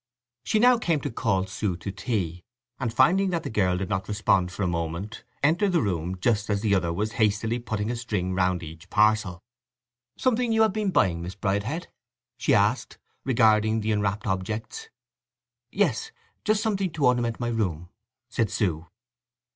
She now came to call Sue to tea, and, finding that the girl did not respond for a moment, entered the room just as the other was hastily putting a string round each parcel. "Something you have been buying, Miss Bridehead?" she asked, regarding the enwrapped objects. "Yes—just something to ornament my room," said Sue.